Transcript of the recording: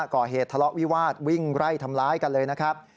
ก่อเหตุทะเลาะวิวาสวิ่งไล่ทำร้ายกันเลยนะครับ